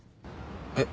えっ？